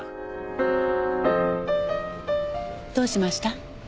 どうしました？